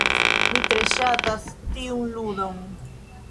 Mi tre ŝatas tiun ludon.